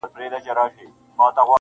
د کور هر غړی مات او بې وسه ښکاري,